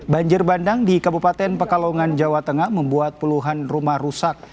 banjir bandang di kabupaten pekalongan jawa tengah membuat puluhan rumah rusak